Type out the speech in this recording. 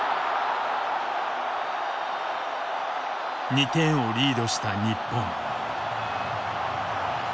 ２点をリードした日本。